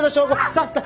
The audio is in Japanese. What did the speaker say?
さっささ。